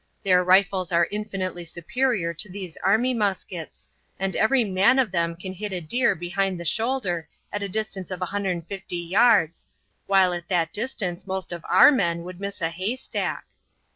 Their rifles are infinitely superior to these army muskets, and every man of them can hit a deer behind the shoulder at the distance of 150 yards, while at that distance most of our men would miss a haystack."